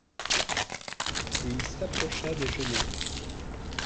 Et il s'approcha des genêts.